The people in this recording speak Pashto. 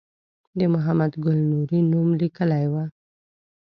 د محمد ګل نوري نوم لیکلی و.